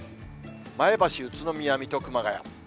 前橋、宇都宮、水戸、熊谷。